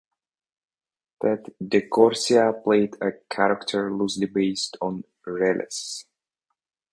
Ted De Corsia played a character loosely based on Reles.